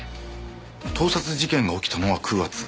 盗撮事件が起きたのは９月。